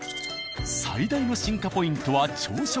最大の進化ポイントは朝食。